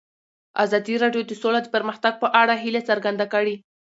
ازادي راډیو د سوله د پرمختګ په اړه هیله څرګنده کړې.